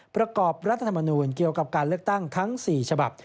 ประกอบรัฐธรรมนูลเกี่ยวกับการเลือกตั้งทั้ง๔ฉบับ